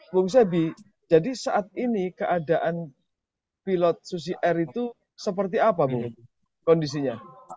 bung sebi jadi saat ini keadaan pilot susi air itu seperti apa bu kondisinya